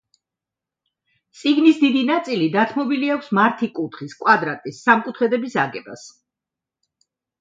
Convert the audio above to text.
წიგნის დიდი ნაწილი დათმობილი აქვს მართი კუთხის, კვადრატის, სამკუთხედების აგებას.